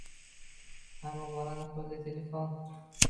Hamma bolani qo’lida telefon.